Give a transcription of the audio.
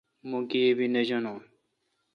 مہ گیبی نہ جانون